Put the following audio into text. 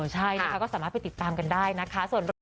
ใช่นะคะก็สามารถไปติดตามกันได้นะคะ